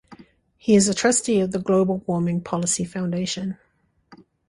He is a trustee of the Global Warming Policy Foundation.